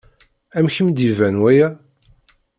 Amek i m-d-iban waya?